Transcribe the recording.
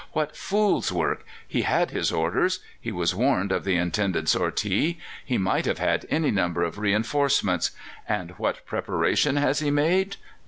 "What fool's work! He had his orders; he was warned of the intended sortie; he might have had any number of reinforcements. And what preparation has he made?